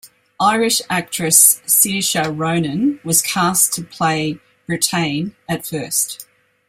Irish actress Saoirse Ronan was cast to play Brittain at first.